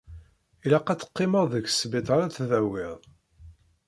Ilaq ad teqqimeḍ deg sbiṭar ad tdawiḍ.